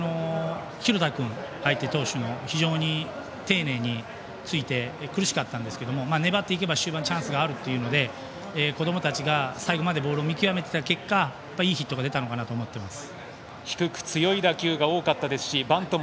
序盤相手投手の廣田君に非常に丁寧について苦しかったんですけど粘っていけば終盤にチャンスがあるということで子どもたちが最後までボールを見極めていった結果いいヒットが出たのかなと思っています。